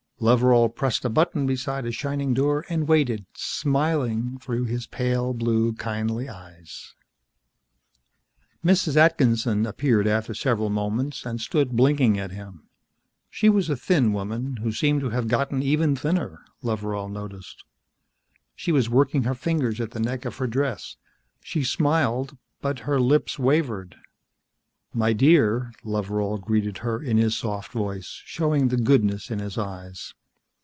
Loveral pressed a button beside a shining door and waited, smiling through his pale blue kindly eyes. Mrs. Atkinson appeared after several moments and stood blinking at him. She was a thin woman, who seemed to have gotten even thinner, Loveral noticed. She was working her fingers at the neck of her dress. She smiled but her lips wavered. "My dear," Loveral greeted her in his soft voice, showing the goodness in his eyes.